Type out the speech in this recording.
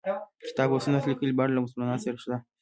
کتاب او سنت لیکلي بڼه له مسلمانانو سره شته.